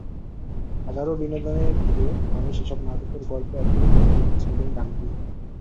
হাজারো বিনোদনের ভিড়েও মানুষ এসব নাটকের গল্প এখনো মনে রেখেছে এবং রাখবে।